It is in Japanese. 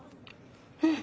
うん。